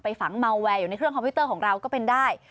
ฝังเมาแวร์อยู่ในเครื่องคอมพิวเตอร์ของเราก็เป็นได้